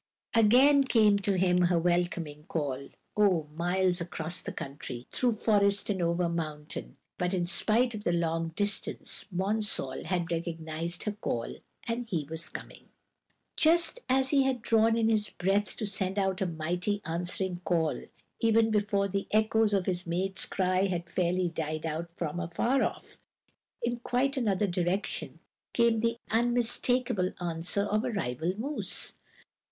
Again came to him her welcoming call, oh, miles across the country, through forest and over mountain; but in spite of the long distance, Monsall had recognized her call, and he was coming. Just as he had drawn in his breath to send out a mighty answering call, even before the echoes of his mate's cry had fairly died out from afar off, in quite another direction, came the unmistakable answer of a rival moose.